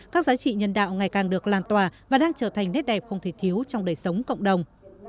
các giá trị nhân đạo ngày càng được lan tòa và đang trở thành nét đẹp không thể thiếu trong đời sống cộng đồng